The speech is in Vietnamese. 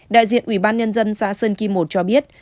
đại diện ủy ban nhân dân xã sơn kim một cho biết